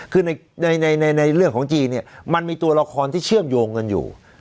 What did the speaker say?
คือในเรื่องของจีนเนี่ยมันมีตัวละครที่เชื่อมโยงกันอยู่